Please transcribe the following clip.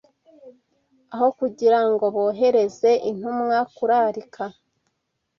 aho kugira ngo bohereze intumwa kurarika